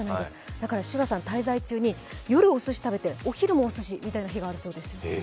だからＳＵＧＡさん、滞在中に夜、おすし食べて、お昼もおすしみたいな日があるそうですよ。